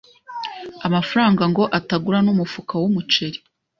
amafaranga ngo atagura n’umufuka w’umuceri